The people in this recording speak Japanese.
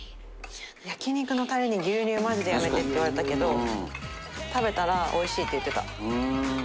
「焼肉のタレに牛乳マジでやめて」って言われたけど食べたら「おいしい」って言ってた。